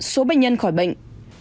một số bệnh nhân khỏi bệnh